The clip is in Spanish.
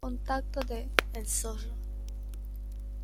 Contacto de "el Zorro".